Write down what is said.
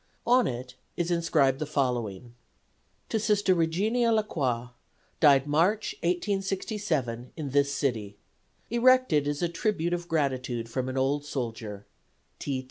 On it is inscribed the following: To Sister Regenia La Croix, Died March, 1867, in this city. Erected as a Tribute of Gratitude From an Old Soldier.